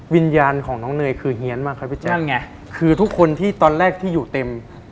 วิญญาณของน้องเนยคือเฮียนมากครับพี่แจนั่นไงคือทุกคนที่ตอนแรกที่อยู่เต็ม